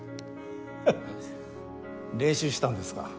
フッ練習したんですか。